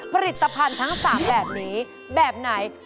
ผลิตภัณฑ์ทั้ง๓แบบนี้แบบไหน